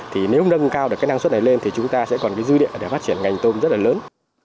thì nếu nâng cao được cái năng suất này lên thì chúng ta sẽ còn cái dư địa để phát triển ngành tôm rất là lớn